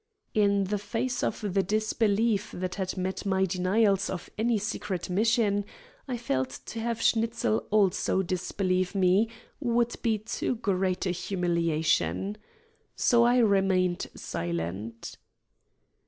In the face of the disbelief that had met my denials of any secret mission, I felt to have Schnitzel also disbelieve me would be too great a humiliation. So I remained silent.